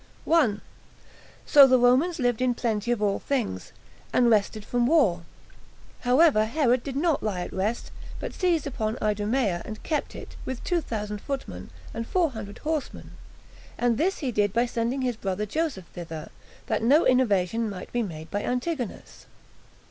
1. So the Romans lived in plenty of all things, and rested from war. However, Herod did not lie at rest, but seized upon Idumea, and kept it, with two thousand footmen, and four hundred horsemen; and this he did by sending his brother Joseph thither, that no innovation might be made by Antigonus.